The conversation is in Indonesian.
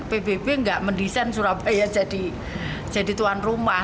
pbb nggak mendesain surabaya jadi tuan rumah